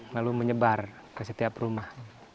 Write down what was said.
lalu menyebar ke setiap rumah